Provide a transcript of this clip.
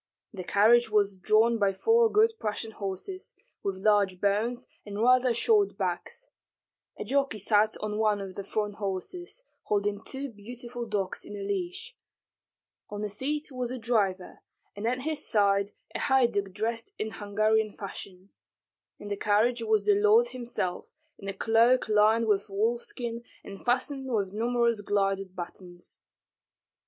The carriage was drawn by four good Prussian horses, with large bones and rather short backs; a jockey sat on one of the front horses, holding two beautiful dogs in a leash; on the seat was a driver, and at his side a haiduk dressed in Hungarian fashion; in the carriage was the lord himself, in a cloak lined with wolfskin and fastened with numerous gilded buttons.